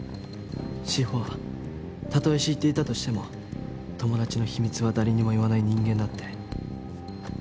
志法はたとえ知っていたとしても友達の秘密は誰にも言わない人間だって。